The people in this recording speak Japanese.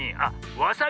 わさび！